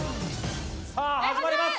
さぁ始まります！